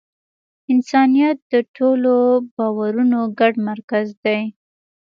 انسانیت د ټولو باورونو ګډ مرکز دی.